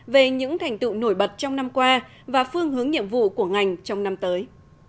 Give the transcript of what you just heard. về những thành tựu nổi bật trong năm qua và phương hướng nhiệm vụ của ngành trong năm tới